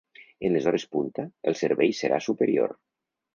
En les hores punta, el servei serà superior.